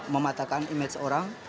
mematakan image orang